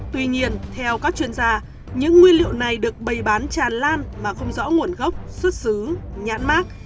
tuy nhiên theo các chuyên gia những nguyên liệu này được bày bán tràn lan mà không rõ nguồn gốc xuất xứ nhãn mát